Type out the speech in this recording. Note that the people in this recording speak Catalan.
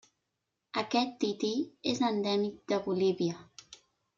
Aquest tití és endèmic de Bolívia.